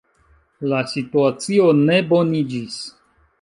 La situacio ne boniĝis.